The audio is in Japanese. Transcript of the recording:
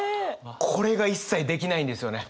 これが一切できないんですよね。